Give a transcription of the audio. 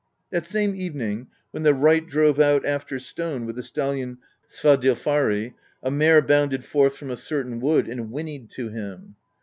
"That same evening, when the wright drove out after stone with the stallion Svadilfari, a mare bounded forth from a certain wood and whinnied to him.